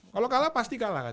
kalau kalah pasti kalah kan